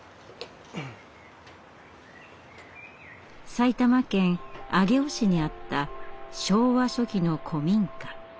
埼玉県上尾市にあった昭和初期の古民家。